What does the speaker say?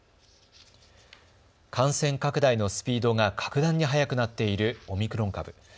感染拡大のスピードが格段に速くなっているオミクロン株。